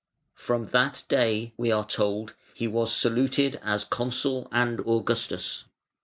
"From that day", we are told, "he was saluted as Consul and Augustus".